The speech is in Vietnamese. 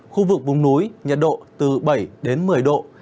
khu vực vùng núi nhiệt độ từ bảy đến một mươi độ